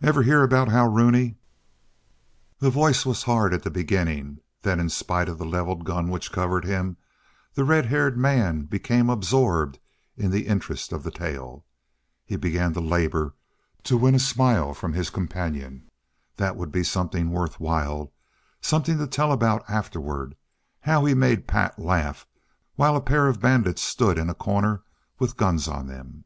"Ever hear about how Rooney " The voice was hard at the beginning; then, in spite of the levelled gun which covered him, the red haired man became absorbed in the interest of the tale. He began to labor to win a smile from his companion. That would be something worthwhile something to tell about afterward; how he made Pat laugh while a pair of bandits stood in a corner with guns on them!